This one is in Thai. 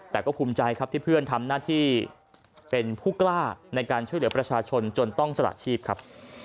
แต่ก็ภูมิใจครับที่เพื่อนทำหน้าที่เป็นผู้กล้าในการช่วยเหลือประชาชนจนต้องสละชีพครับ